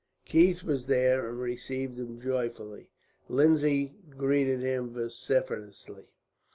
Keith was there, and received him joyfully. Lindsay greeted him vociferously.